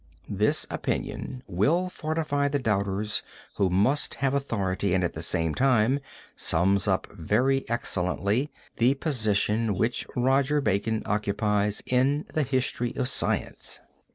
This opinion will fortify the doubters who must have authority and at the same time sums up very excellently the position which Roger Bacon occupies in the History of Science.